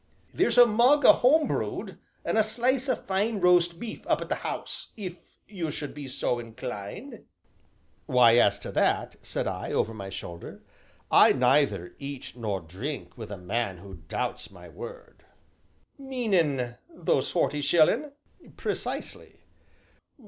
"Theer's a mug o' homebrewed, an' a slice o' fine roast beef up at th' 'ouse, if you should be so inclined " "Why, as to that," said I, over my shoulder, "I neither eat nor drink with a man who doubts my word." "Meanin' those forty shillin'?" "Precisely!"